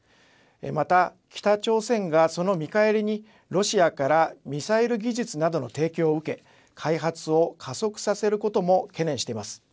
また北朝鮮がその見返りにロシアからミサイル技術などの提供を受け開発を加速させることも懸念しています。